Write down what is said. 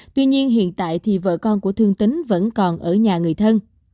tuy nhiên hiện tại thì vợ con của thương tính vẫn còn ở nhà người thân